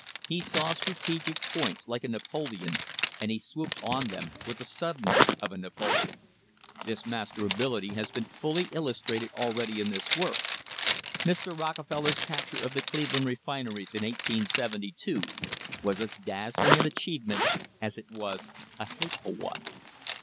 He saw strategic points like a Napoleon, and he swooped on them with the suddenness of a Napoleon. This master ability has been fully illustrated already in this work. Mr. Rockefeller's capture of the Cleveland refineries in 1872 was as dazzling an achievement as it was a hateful one.